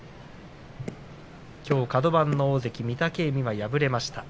きょうカド番の大関御嶽海は敗れました。